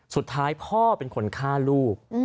สุดท้ายพ่อเป็นคนฆ่าลูก